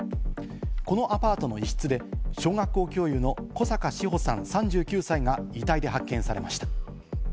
このアパートの一室で小学校教諭の小阪志保さん、３９歳が遺体で発見されました。